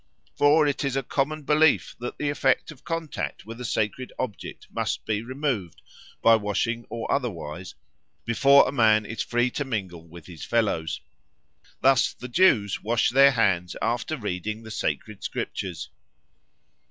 For it is a common belief that the effect of contact with a sacred object must be removed, by washing or otherwise, before a man is free to mingle with his fellows. Thus the Jews wash their hands after reading the sacred scriptures.